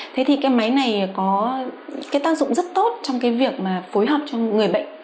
thế thì cái máy này có cái tác dụng rất tốt trong cái việc mà phối hợp cho người bệnh